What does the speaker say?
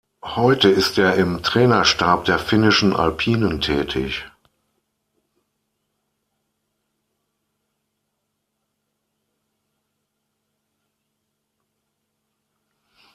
Heute ist er im Trainerstab der finnischen Alpinen tätig.